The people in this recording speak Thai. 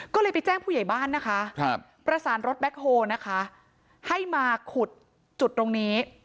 ก็เลยไปแจ้งผู้ใหญ่บ้านนะคะประสานรถแบ็คโฮลนะคะให้มาขุดจุดตรงนี้